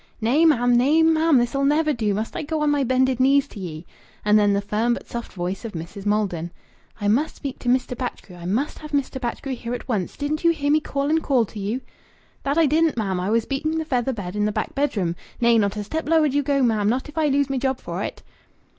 "Nay, ma'am! Nay, ma'am! This'll never do. Must I go on my bended knees to ye?" And then the firm but soft voice of Mrs. Maldon "I must speak to Mr. Batchgrew. I must have Mr. Batchgrew here at once. Didn't you hear me call and call to you?" "That I didn't, ma'am! I was beating the feather bed in the back bedroom. Nay, not a step lower do you go, ma'am, not if I lose me job for it."